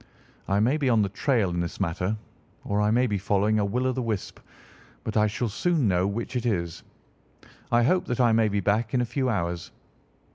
I may be on the trail in this matter, or I may be following a will o' the wisp, but I shall soon know which it is. I hope that I may be back in a few hours."